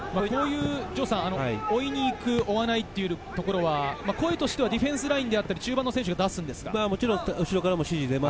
追いに行く、追わないというところは声としてはディフェンスであったり中盤の選手が出すんですか？